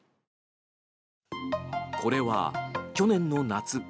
これは、去年の夏。